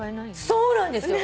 そうなんですよ！